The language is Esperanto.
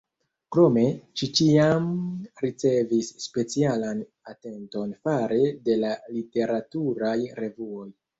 Krome, ŝi ĉiam ricevis specialan atenton fare de la literaturaj revuoj.